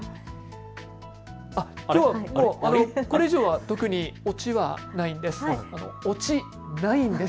きょうはこれ以上に特にオチはないんです。